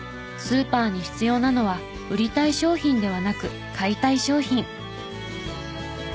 スーパーに必要なのは売りたい商品ではなく買いたい商品。